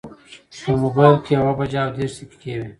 په مبایل کې یوه بجه او دېرش دقیقې وې.